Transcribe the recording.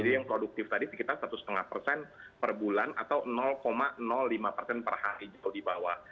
yang produktif tadi sekitar satu lima persen per bulan atau lima persen per hari jauh di bawah